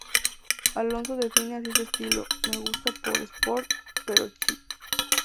Alonso define así su estilo: 'Me gusta por ir 'sport', pero chic.